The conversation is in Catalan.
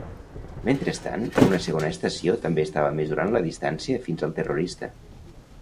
Mentrestant, una segona estació també estava mesurant la distància fins al terrorista.